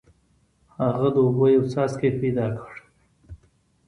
هغه د اوبو یو څاڅکی پیدا کړ.